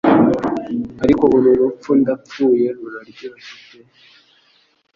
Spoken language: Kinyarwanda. Ariko uru rupfu ndapfuye ruraryoshye pe